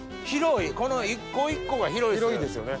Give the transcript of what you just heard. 広いこの一個一個が広いです。